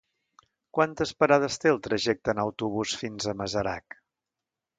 Quantes parades té el trajecte en autobús fins a Masarac?